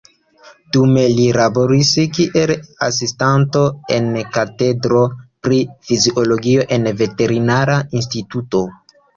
Dume li laboris kiel asistanto en katedro pri fiziologio en veterinara instituto.